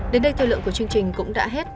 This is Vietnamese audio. đến đây thời lượng của chương trình cũng đã hết